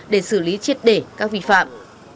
để xử lý triệt để các vi phạm